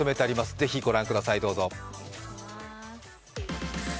ぜひご覧ください、どうぞ。